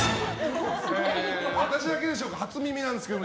私だけでしょうか初耳なんですけど。